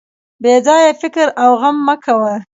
بې ځایه فکر او غم مه کوه.